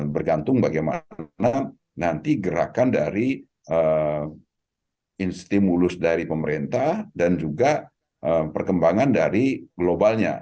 bergantung bagaimana nanti gerakan dari instimulus dari pemerintah dan juga perkembangan dari globalnya